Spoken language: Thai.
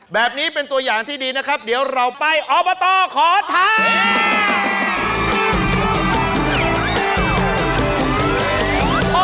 แบบนี้เป็นตัวอย่างที่ดีนะครับเดี๋ยวเราไปอบตขอทาน